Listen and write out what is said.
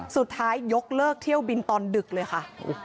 สุดท้ายยกเลิกเที่ยวบินตอนดึกเลยค่ะ